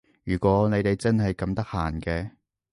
如果你哋真係咁得閒嘅